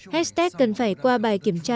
hestet cần phải qua bài kiểm tra